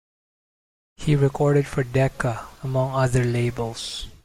He recorded for Decca among other labels.